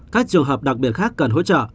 các trường hợp đặc biệt khác cần hỗ trợ